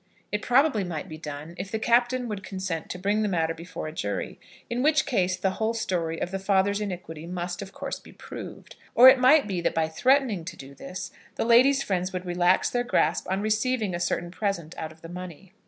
It probably might be done, if the Captain would consent to bring the matter before a jury; in which case the whole story of the father's iniquity must, of course, be proved. Or it might be that by threatening to do this, the lady's friends would relax their grasp on receiving a certain present out of the money.